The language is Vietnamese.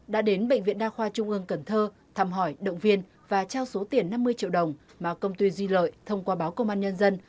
đã đến bệnh viện đa khoa trung ương cần thơ thăm hỏi động viên và trao số tiền năm mươi triệu đồng mà công ty duy lợi thông qua báo công an nhân dân